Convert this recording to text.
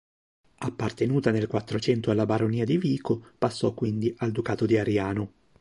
Appartenuta nel Quattrocento alla Baronia di Vico, passò quindi al Ducato di Ariano.